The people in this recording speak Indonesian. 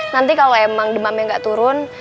nanti kalau emang demamnya nggak turun